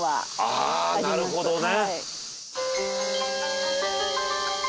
ああなるほどね。